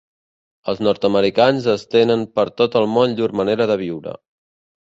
Els nord-americans estenen per tot el món llur manera de viure.